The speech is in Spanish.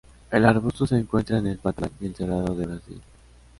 El arbusto se encuentra en el Pantanal y el Cerrado de Brasil.